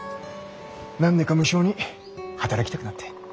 何でか無性に働きたくなって。